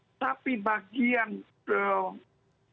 tidak menjadi keperhatian publik gitu